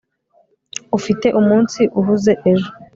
ufite umunsi uhuze ejo